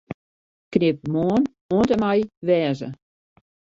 Knip 'Moarn' oant en mei 'wêze'.